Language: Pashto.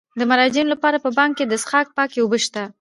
د مراجعینو لپاره په بانک کې د څښاک پاکې اوبه شته.